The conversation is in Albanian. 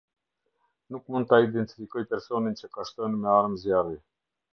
Nuk mund ta identifikoj personin që ka shtënë me armë zjarri.